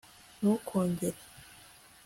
ntukongere